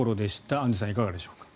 アンジュさんいかがでしょうか。